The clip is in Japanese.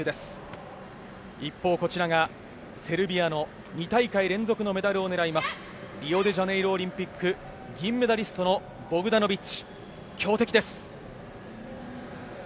一方、こちらがセルビアの２大会連続のメダルを狙うリオデジャネイロオリンピック銀メダリストのボクダノビッチ強敵です。